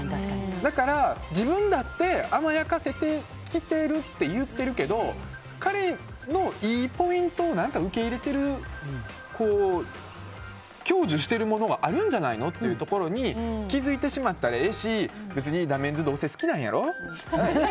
だから、自分だって甘やかせているというけど彼のいいポイントを受け入れている享受しているものがあるんじゃないのってところに気づいてしまったらええし別にダメンズどうせ好きなんやろ？